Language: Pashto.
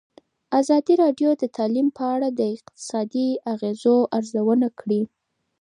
ازادي راډیو د تعلیم په اړه د اقتصادي اغېزو ارزونه کړې.